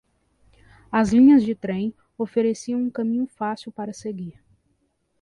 As linhas de trem ofereciam um caminho fácil para seguir.